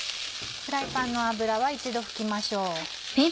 フライパンの油は一度拭きましょう。